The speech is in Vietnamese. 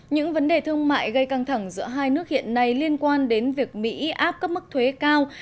những vấn đề thương mại gây căng thẳng giữa hai nước hiện nay liên quan đến việc mỹ áp cấp mức thuế cao